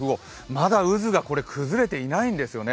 まだ渦が崩れていないんですね。